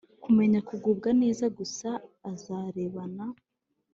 Kumenyera kugubwa neza gusa azarebana